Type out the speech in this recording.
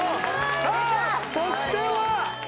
さあ得点は？